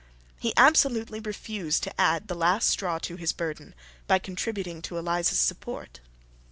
He absolutely refused to add the last straw to his burden by contributing to Eliza's support.